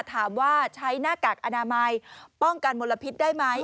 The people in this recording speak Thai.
ถามว่าใช้หน้ากากอนามัยป้องกันมลพิษได้ไหม